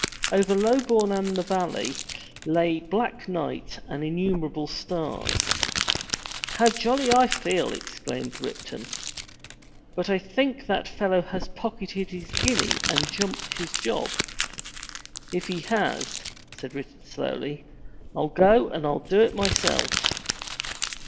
Over Lobourne and the valley lay black night and innumerable stars. "How jolly I feel!" exclaimed Ripton. "But I chink that 236 FROM THE TOWER WINDOW fellow has pocketed his guinea and jumped his job/' " If he has," said Richard slowly, " Fll go and Fll do it myself."